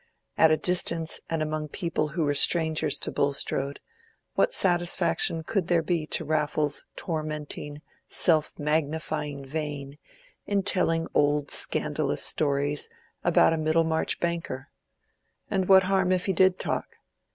At a distance and among people who were strangers to Bulstrode, what satisfaction could there be to Raffles's tormenting, self magnifying vein in telling old scandalous stories about a Middlemarch banker? And what harm if he did talk?